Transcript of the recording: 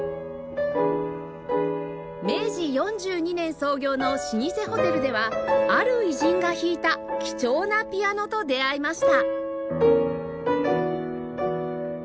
明治４２年創業の老舗ホテルではある偉人が弾いた貴重なピアノと出会いました